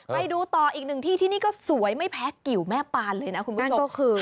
ไปดูต่ออีกหนึ่งที่ที่นี่ก็สวยไม่แพ้กิวแม่ปานเลยนะคุณผู้ชม